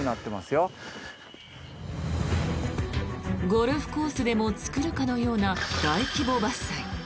ゴルフコースでも作るかのような大規模伐採。